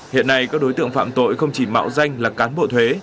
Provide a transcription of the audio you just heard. hiện nay các đối tượng phạm tội không chỉ mạo danh là cán bộ thuế